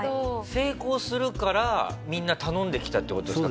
成功するからみんな頼んできたって事ですか？